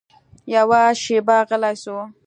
يوه شېبه غلى سو.